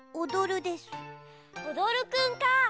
おどるくんか。